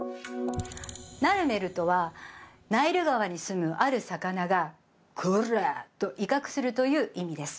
ナルメルとはナイル川にすむある魚が「コラ！」と威嚇するという意味です